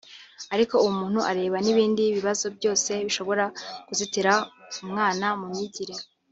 ariko uwo muntu areba n’ibindi bibazo byose bishobora kuzitira umwana mu myigire